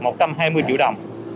một trăm hai mươi triệu đồng